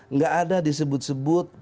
nggak ada disebut sebut